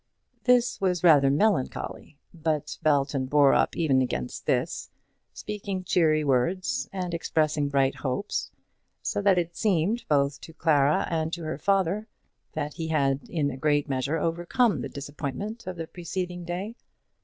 This was rather melancholy; but Belton bore up even against this, speaking cheery words and expressing bright hopes, so that it seemed, both to Clara and to her father, that he had in a great measure overcome the disappointment of the preceding day.